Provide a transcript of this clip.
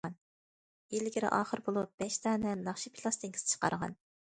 ئىلگىرى- ئاخىرى بولۇپ بەش دانە ناخشا پىلاستىنكىسى چىقارغان.